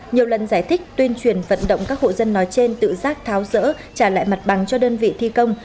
nhiều lần giải thích tuyên truyền vận động các hộ dân nói trên tự giác tháo rỡ trả lại mặt bằng cho đơn vị thi công